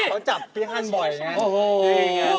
โอ้โหเธอจับปีฮั่นบ่อยเพราะว่า